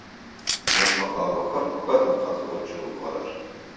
Мо къэгъагъэхэр хэта къэзгъэкӏыгъэхэр?